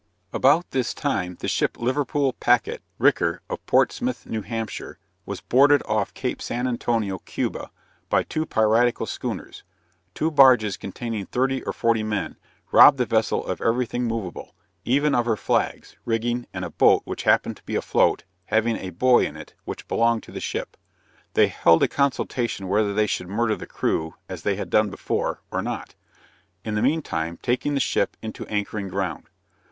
About this time the ship Liverpool Packet, Ricker, of Portsmouth, N.H., was boarded off Cape St. Antonio, Cuba, by two piratical schooners; two barges containing thirty or forty men, robbed the vessel of every thing movable, even of her flags, rigging, and a boat which happened to be afloat, having a boy in it, which belonged to the ship. They held a consultation whether they should murder the crew, as they had done before, or not in the mean time taking the ship into anchoring ground.